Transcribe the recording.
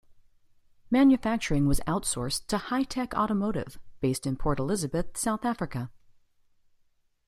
Manufacturing was outsourced to Hi-Tech Automotive, based in Port Elizabeth, South Africa.